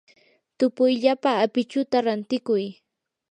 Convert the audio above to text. tupuyllapa apichuta rantikuy.